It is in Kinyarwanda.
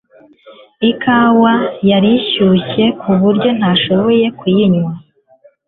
Ikawa yari ishyushye kuburyo ntashobora kuyinywa